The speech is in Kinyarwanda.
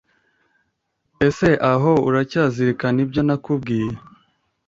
ese aho uracyazirikana ibyo nakubwiye